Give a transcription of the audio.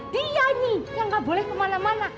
dia nih yang gak boleh kemana mana